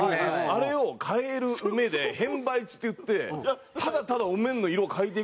あれを「変える梅」で「変梅」っつって言ってただただお面の色を変えていくんですよ